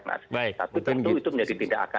satu tentu itu tidak akan menjadi ideal